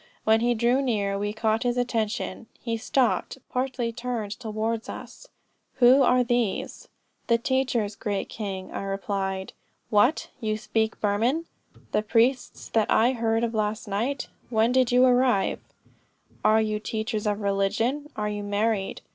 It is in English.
When he drew near, we caught his attention. He stopped, partly turned towards us 'Who are these?' 'The teachers, great King,' I replied. 'What, you speak Burman? the priests that I heard of last night? When did you arrive? Are you teachers of religion? Are you married?